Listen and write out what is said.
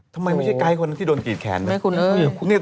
ทำไมไม่ใช่ไกรคนนั้นที่โดนกรีดแขนเนี่ย